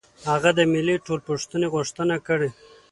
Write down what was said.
هغه د ملي ټولپوښتنې غوښتنه کړې.